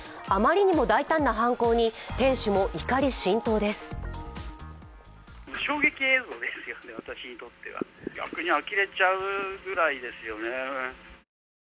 あまりにも大胆な犯行に店主も怒り心頭です。